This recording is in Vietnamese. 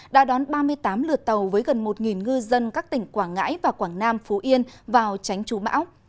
đã đón ba mươi tám lượt tàu với gần một ngư dân các tỉnh quảng ngãi và quảng nam phú yên vào tránh trú bão